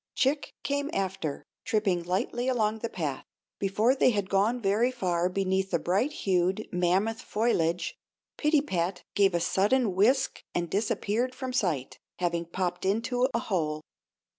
Chick came after, tripping lightly along the path. Before they had gone very far beneath the bright hued, mammoth foliage Pittypat gave a sudden whisk and disappeared from sight, having popped into a hole.